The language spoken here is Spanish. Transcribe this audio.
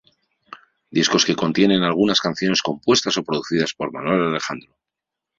Discos que contienen algunas canciones compuestas o producidas por Manuel Alejandro